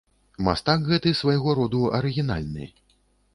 Мастак гэты свайго роду арыгінальны.